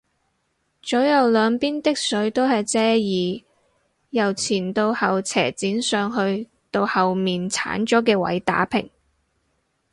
左右兩邊的水都係遮耳，由前到後斜剪上去到同後面剷咗嘅位打平